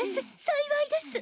幸いです。